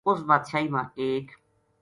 اُس بادشاہی ما ایک